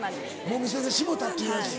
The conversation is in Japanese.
もう見せてしもうたっていうやつ。